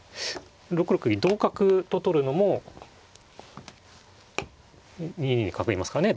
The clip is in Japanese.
６六銀同角と取るのも２二に角いますからね